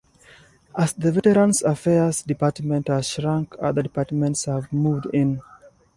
As the Veterans Affairs department has shrunk other departments have moved in.